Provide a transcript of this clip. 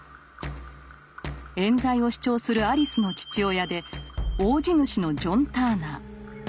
冤罪を主張するアリスの父親で大地主のジョン・ターナー。